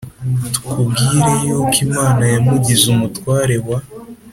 tukubwire yuko Imana yamugize umutware wa